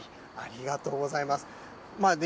ありがとうございます。